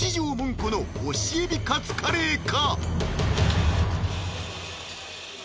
この干し海老カツカレーか？